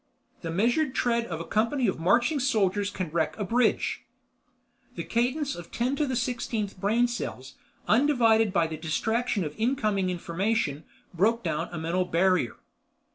The measured tread of a company of marching soldiers can wreck a bridge. The cadence of ten to the sixteenth brain cells, undivided by the distraction of incoming information, broke down a mental barrier.